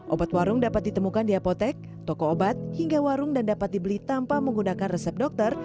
obat warung dapat ditemukan di apotek toko obat hingga warung dan dapat dibeli tanpa menggunakan resep dokter